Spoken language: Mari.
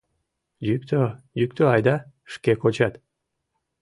— Йӱктӧ, йӱктӧ айда, шке кочат.